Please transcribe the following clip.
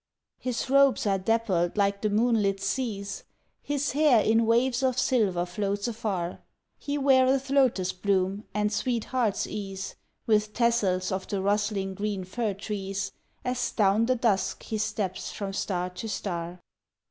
His robes are dappled like the moonlit seas, His hair in waves of silver floats afar; He weareth lotus bloom and sweet heartsease, With tassels of the rustling green fir trees, As down the dusk he steps from star to star.